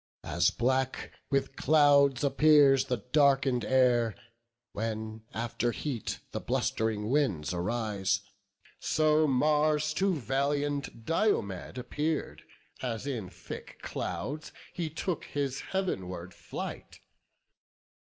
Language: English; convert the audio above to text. As black with clouds appears the darken'd air, When after heat the blust'ring winds arise, So Mars to valiant Diomed appear'd, As in thick clouds he took his heav'nward flight.